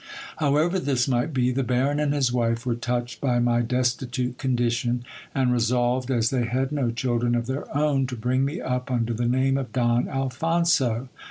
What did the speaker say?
However this might be, the Baron and his wife were touched by my destitute condition, and resolved, as they had no children of their own, to bring me up under the name of Don Alphonso.